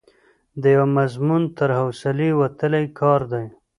د یوه مضمون تر حوصلې وتلی کار دی.